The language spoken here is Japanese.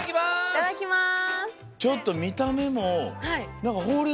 いただきます。